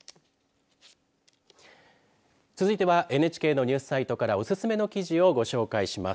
続いてはＮＨＫのニュースサイトからおすすめの記事をご紹介します。